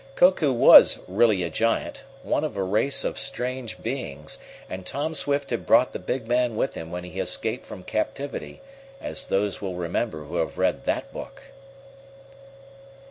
Koku was really a giant, one of a race of strange beings, and Tom Swift had brought the big man with him when he escaped from captivity, as those will remember who have read that book.